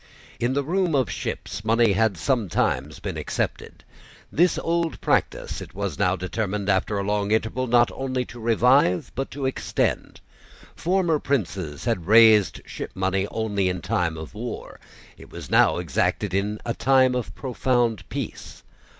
In the room of ships money had sometimes been accepted. This old practice it was now determined, after a long interval, not only to revive but to extend. Former princes had raised shipmoney only in time of war: it was now exacted in a time of profound peace.